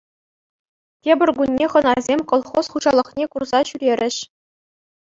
Тепӗр кунне хӑнасем колхоз хуҫалӑхне курса ҫӳрерӗҫ.